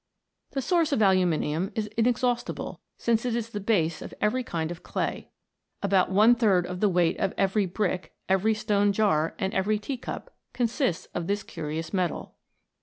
The source of alumi nium is inexhaustible, since it is the base of every kind of clay. About one third of the weight of every brick, every stone jar, and every tea cup con sists of this curious metal.